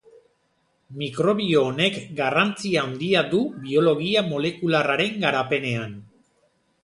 Mikrobio honek garrantzia handia izan du biologia molekularraren garapenean.